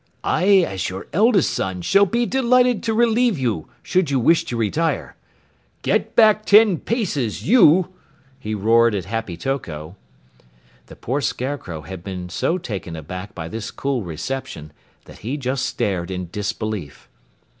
"I, as your eldest son, shall be delighted to relieve you should you wish to retire. Get back ten paces, you!" he roared at Happy Toko. The poor Scarecrow had been so taken aback by this cool reception that he just stared in disbelief.